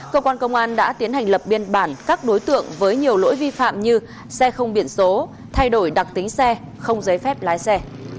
cơ quan công an đã tiến hành lập biên bản các đối tượng với nhiều lỗi vi phạm như xe không biển số thay đổi đặc tính xe không giấy phép lái xe